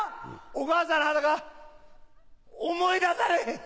お母さんの裸思い出されへん。